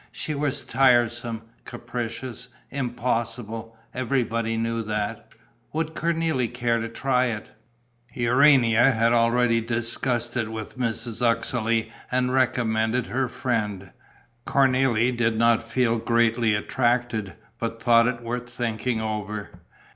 She was tiresome, capricious, impossible; everybody knew that. Would Cornélie care to try it? Urania had already discussed it with Mrs. Uxeley and recommended her friend. Cornélie did not feel greatly attracted, but thought it worth thinking over.